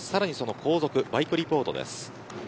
後続、バイクリポートです。